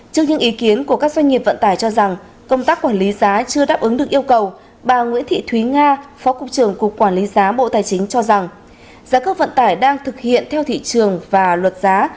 trước những ý kiến của các doanh nghiệp vận tải cho rằng công tác quản lý giá chưa đáp ứng được yêu cầu bà nguyễn thị thúy nga phó cục trưởng cục quản lý giá bộ tài chính cho rằng giá cước vận tải đang thực hiện theo thị trường và luật giá